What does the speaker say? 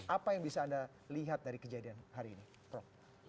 apa yang bisa anda lihat dari kejadian hari ini prof